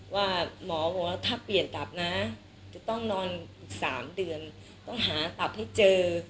ว่าหมอบอกว่าถ้าเปลี่ยนตับนะจะต้องนอนอีก๓เดือนต้องหาตับให้เจอ